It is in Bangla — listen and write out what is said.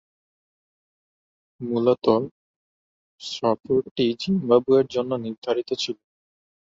মূলতঃ সফরটি জিম্বাবুয়ের জন্য নির্ধারিত ছিল।